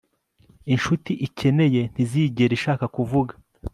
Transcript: Inshuti ikeneye ntizigera ishaka kuvuga